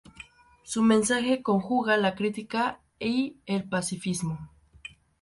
Su mensaje conjuga la crítica y el pacifismo.